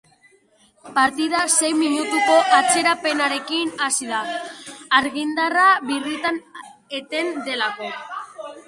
Partida sei minutuko atzerapenarekin hasi da, argindarra birritan eten delako.